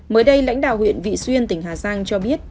mới đây lãnh đạo huyện vị xuyên tỉnh hà giang cho biết